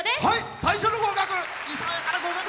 最初の合格！